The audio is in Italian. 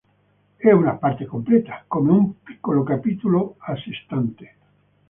È una parte completa, come un piccolo capitolo a se stante.